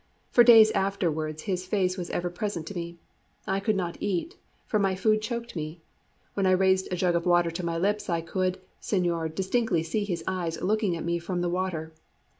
For days afterwards his face was ever present to me. I could not eat, for my food choked me. When I raised a jug of water to my lips I could, señor, distinctly see his eyes looking at me from the water.